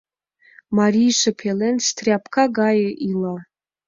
— Марийже пелен стряпка гае ила.